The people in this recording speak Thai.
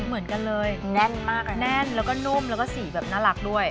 เหมือนกันเลยแน่นมากแน่นแล้วก็นุ่มแล้วก็สีแบบน่ารักด้วย